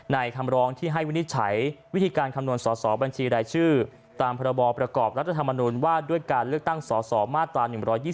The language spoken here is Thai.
คำร้องที่ให้วินิจฉัยวิธีการคำนวณสอสอบัญชีรายชื่อตามพรบประกอบรัฐธรรมนุนว่าด้วยการเลือกตั้งสสมาตรา๑๒๒